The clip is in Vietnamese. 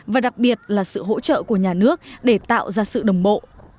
và đặc biệt là sự hỗ trợ của nhà nước để tạo ra sự đồng bộ